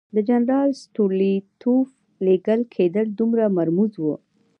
د جنرال ستولیتوف لېږل کېدل دومره مرموز وو.